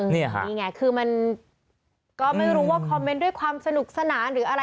นี่ค่ะนี่ไงคือมันก็ไม่รู้ว่าคอมเมนต์ด้วยความสนุกสนานหรืออะไร